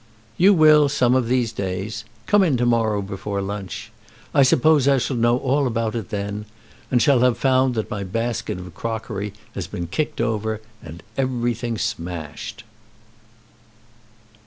"You will some of these days. Come in to morrow before lunch. I suppose I shall know all about it then, and shall have found that my basket of crockery has been kicked over and every thing smashed."